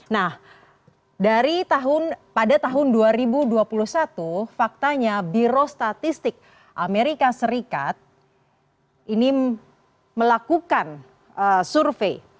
nah pada tahun dua ribu dua puluh satu faktanya biro statistik amerika serikat ini melakukan survei